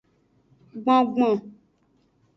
Gbongbon.